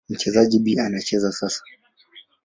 Mchezaji B anacheza sasa.